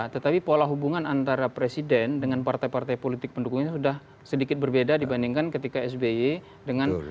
tetapi pola hubungan antara presiden dengan partai partai politik pendukungnya sudah sedikit berbeda dibandingkan ketika sby dengan